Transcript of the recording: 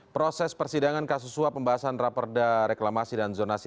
proses persidangan kasus suap pembahasan raperda reklamasi dan zonasi